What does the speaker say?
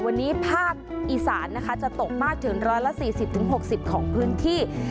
วันนี้ภาคอีสานนะคะจะตกมากถึง๑๔๐๖๐ของพื้นที่